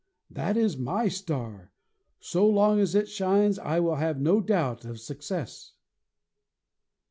That is my star! So long as it shines I will have no doubt of success."